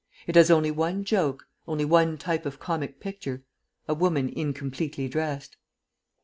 It has only one joke, only one type of comic picture: a woman incompletely dressed.